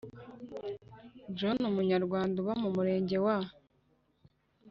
John Umunyarwanda uba mu Murenge wa